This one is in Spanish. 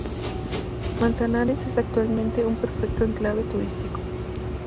Manzanares es actualmente un perfecto enclave turístico.